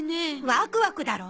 ワクワクだろ。